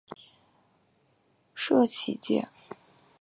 社企界